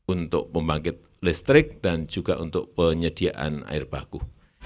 untuk pembangkit listrik dan juga untuk penyediaan air baku